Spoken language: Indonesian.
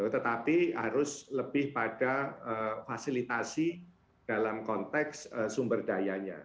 tetapi harus lebih pada fasilitasi dalam konteks sumber dayanya